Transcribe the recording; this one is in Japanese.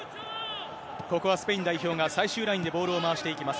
ここはスペイン代表が最終ラインでボールを回していきます。